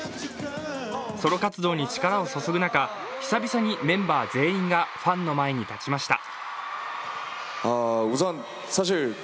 ソロ活動に力を注ぐ中、久々にメンバー全員がファンの前に立ちました。